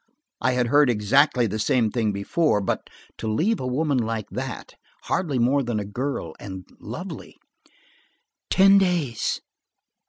I had heard exactly the same thing before, but to leave a woman like that, hardly more than a girl, and lovely! "Ten days."